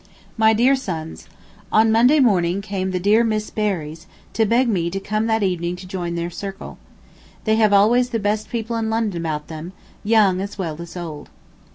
MY DEAR SONS: ... On Monday morning came the dear Miss Berrys, to beg me to come that evening to join their circle. They have always the best people in London about them, young as well as old.